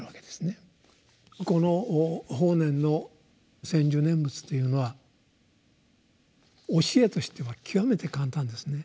この法然の専修念仏というのは教えとしては極めて簡単ですね。